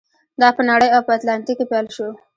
دا په نړۍ او په اتلانتیک کې پیل شو.